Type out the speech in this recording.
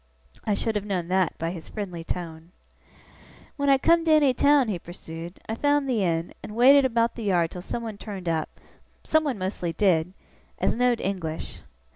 I should have known that by his friendly tone. 'When I come to any town,' he pursued, 'I found the inn, and waited about the yard till someone turned up (someone mostly did) as know'd English.